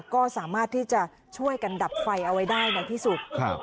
ก็สามารถที่จะช่วยกันดับไฟเอาไว้ได้ในที่สุด